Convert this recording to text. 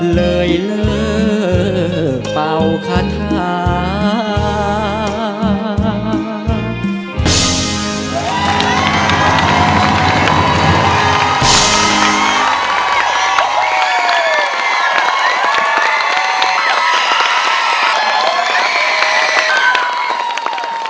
เลยเลิกเป่าคาถา